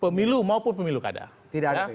pemilu maupun pemilu kada tidak ada